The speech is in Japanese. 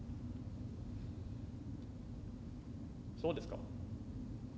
そうですか。